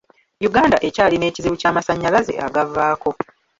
Uganda ekyalina ekizibu ky'amannyalaze agavaavaako.